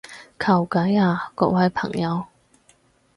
求解啊各位朋友